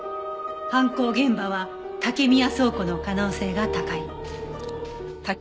犯行現場は竹宮倉庫の可能性が高い。